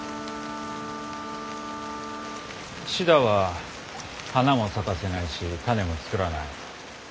シダは花も咲かせないし種も作らない。